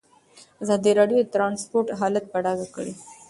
ازادي راډیو د ترانسپورټ حالت په ډاګه کړی.